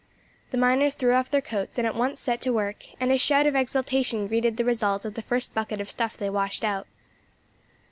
The miners threw off their coats, and at once set to work, and a shout of exultation greeted the result of the first bucket of stuff they washed out.